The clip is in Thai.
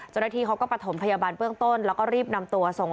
เจ้าหน้าที่เขาก็ประถมพยาบาลเบื้องต้นแล้วก็รีบนำตัวส่ง